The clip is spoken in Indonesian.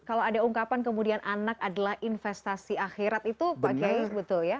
kalau ada ungkapan kemudian anak adalah investasi akhirat itu pak kiai betul ya